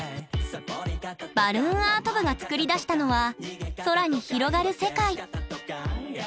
バルーンアート部が作り出したのは空に広がる世界。